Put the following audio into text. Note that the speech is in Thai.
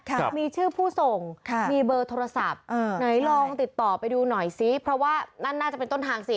ครับมีชื่อผู้ส่งค่ะมีเบอร์โทรศัพท์อ่าไหนลองติดต่อไปดูหน่อยซิเพราะว่านั่นน่าจะเป็นต้นทางสิ